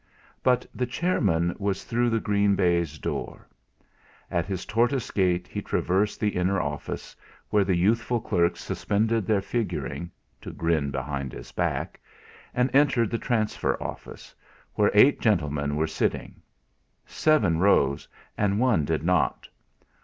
But the chairman was through the green baize door. At his tortoise gait he traversed the inner office, where the youthful clerks suspended their figuring to grin behind his back and entered the transfer office, where eight gentlemen were sitting. Seven rose, and one did not.